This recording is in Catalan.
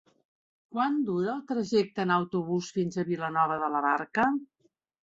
Quant dura el trajecte en autobús fins a Vilanova de la Barca?